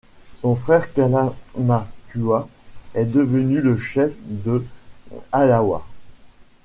Son frère Kalamakua est devenu le chef de Halawa.